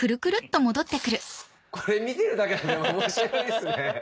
これ見てるだけでも面白いですね。